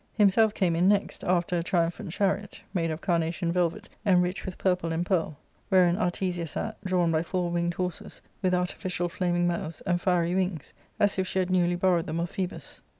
Himself came in next, after a triumphant chariot, made of carnation velvet enriched with purple and p^ari^ ^^hgrein Artesia sjit, drawn by four winged horses, with artificial flaming mouths and I fiery wings, as i£ she had newly borrowed them of Phtebus.